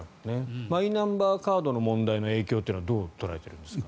マイナンバーカードの問題の影響というのはどう捉えていますか？